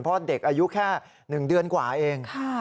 เพราะเด็กอายุแค่๑เดือนกว่าเอง